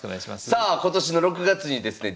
さあ今年の６月にですね